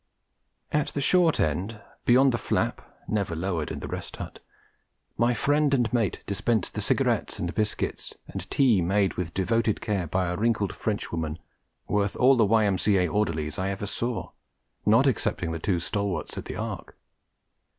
At the short end, beyond the flap (never lowered in the Rest Hut), my friend and mate dispensed the cigarettes and biscuits, and tea made with devoted care by a wrinkled Frenchwoman worth all the Y.M.C.A. orderlies I ever saw, not excepting the two stalwarts at the Ark.